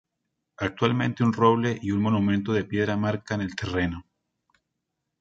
Actualmente un roble y un monumento de piedra marcan el terreno.